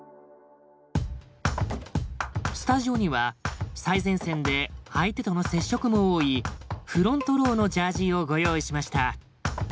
スタジオには最前線で相手との接触も多いフロントロウのジャージーをご用意しました。